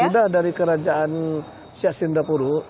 sudah dari kerajaan siak sindapura